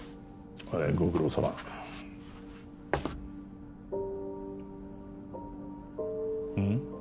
はいご苦労さまうん？